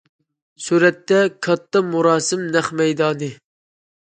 سۈرەتتە: كاتتا مۇراسىم نەق مەيدانى.